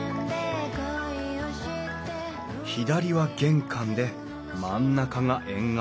左は玄関で真ん中が縁側。